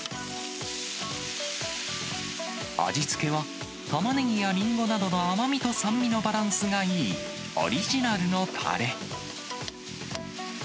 味付けは、たまねぎやりんごなどの甘みと酸味のバランスがいいオリジナルのたれ。